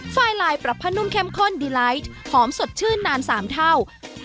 ไฟลายปรับผ้านุ่มเข้มข้นดีไลท์หอมสดชื่นนาน๓เท่า